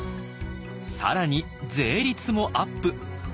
更に税率もアップ。